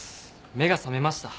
目が覚めました。